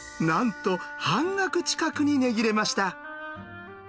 なんと半額近くに値切れました。